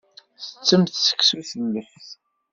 Ttettemt seksu s lleft.